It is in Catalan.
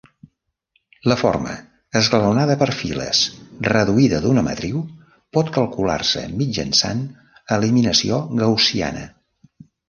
La forma esglaonada per files reduïda d'una matriu pot calcular-se mitjançant eliminació gaussiana.